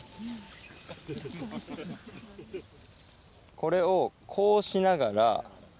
これをこうしながら。